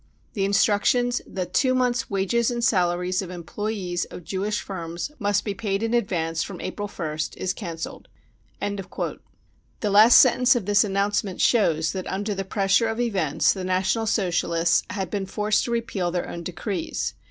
The instructions that two months' r wages and salaries of employees of Jewish firms must be paid in advance from April 1st is cancelled." The last sentence of this announcement shows that under the pressure of events the National Socialists had been forced to repeal their own decrees.